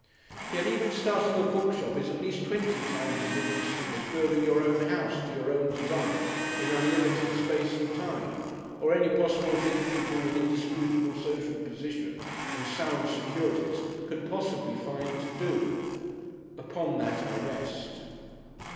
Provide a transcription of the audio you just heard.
Yet even starting a bookshop is at least twenty times as interesting as building your own house to your own design in unlimited space and time, or any possible thing people with indisputable social position and sound securities can possibly find to do. Upon that I rest.